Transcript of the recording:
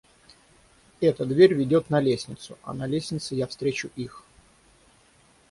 Эта дверь ведёт на лестницу, а на лестнице я встречу их.